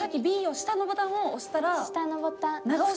下のボタンを押したら長押し。